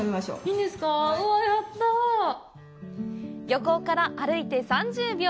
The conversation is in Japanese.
漁港から歩いて３０秒。